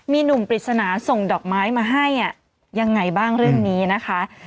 มีหนุ่มปริศนาส่งดอกไม้มาให้ยังไงบ้างเรื่องนี้นะคะ